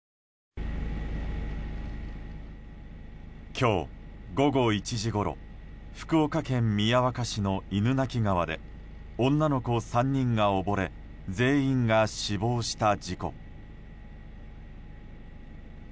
今日午後１時ごろ福岡県宮若市の犬鳴川で女の子３人が溺れ全員が死亡した事故。